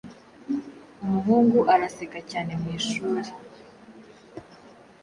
Umuhungu araseka cyane mwishuri